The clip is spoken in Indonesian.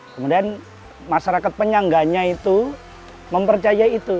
kemudian masyarakat penyangganya itu mempercaya itu